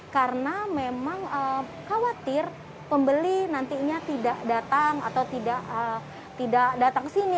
karena memang khawatir pembeli nantinya tidak datang atau tidak datang ke sini